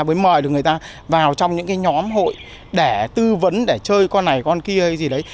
mới mời được người ta vào trong những cái nhóm hội để tư vấn để chơi con này con kia hay gì đấy